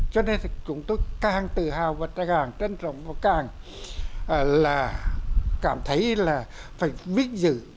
cho nên chúng tôi càng tự hào và càng trân trọng và càng là cảm thấy là phải vinh dự